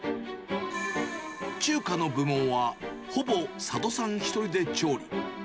中華の部門は、ほぼ佐渡さん１人で調理。